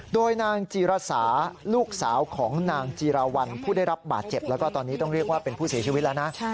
โดยนางจีรสาลูกสาวของนางจีราวัลผู้ได้รับบาดเจ็บแล้วก็ตอนนี้ต้องเรียกว่าเป็นผู้เสียชีวิตแล้วนะ